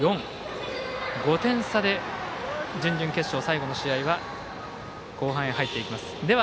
５点差で準々決勝、最後の試合は後半へ入っていきます。